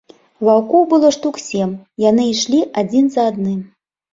Ваўкоў было штук сем, яны ішлі адзін за адным.